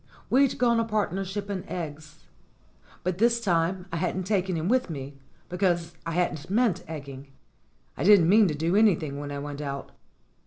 We'd gone a partnership in eggs. But this time I hadn't taken him with me, because I hadn't meant egging. I didn't mean to do anything when I went out.